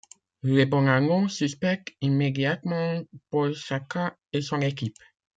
Les Bonanno suspectent immédiatement Paul Sciacca et son équipe.